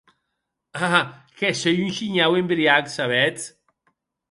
A!, que sò un shinhau embriac, sabetz?